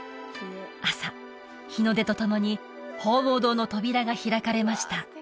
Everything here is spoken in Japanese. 朝日の出とともに鳳凰堂の扉が開かれました